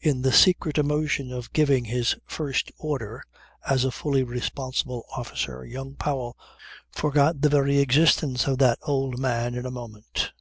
In the secret emotion of giving his first order as a fully responsible officer, young Powell forgot the very existence of that old man in a moment.